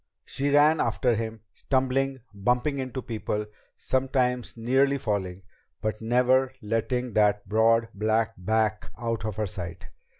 She ran after him, stumbling, bumping into people, sometimes nearly falling, but never letting that broad, black back out of her sight.